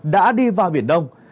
đã đi vào biển đông